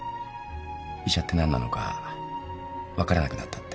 医者って何なのか分からなくなったって。